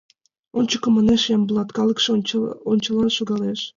— Ончыко! — манеш Ямблат, калыкше ончылан шогалеш.